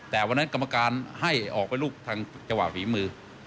แต่วันนั้นกรรมการให้ออกไปลุกทางตะว่ากหวีมือ